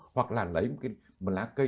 hoặc là lấy một lá cây